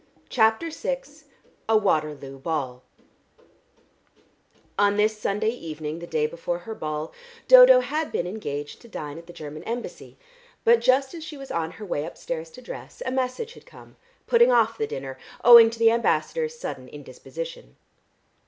CHAPTER VI A WATERLOO BALL On this Sunday evening, the day before her ball, Dodo had been engaged to dine at the German Embassy, but just as she was on her way upstairs to dress, a message had come, putting off the dinner owing to the Ambassador's sudden indisposition.